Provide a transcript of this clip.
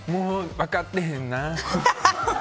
分かってへんな。